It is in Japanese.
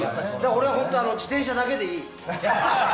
俺は本当、自転車だけでいい。